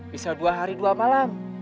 bisa dua hari dua malam